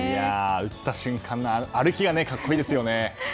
打った瞬間のあの歩きが格好いいですよね。